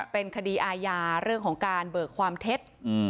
เป็นคดีอาญาเรื่องของการเบิกความเท็จ